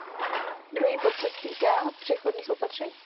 Druhý bod se týká přechodných opatření.